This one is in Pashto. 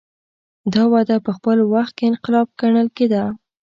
دا وده په خپل وخت کې انقلاب ګڼل کېده.